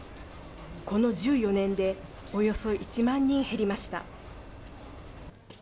この１４年でおよそ１万人減りました。